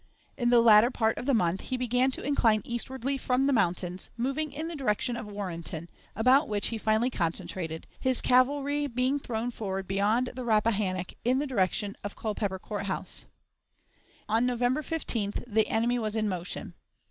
In the latter part of the month he began to incline eastwardly from the mountains, moving in the direction of Warrenton, about which he finally concentrated, his cavalry being thrown forward beyond the Rappahannock in the direction of Culpeper Court House. On November 15th the enemy was in motion.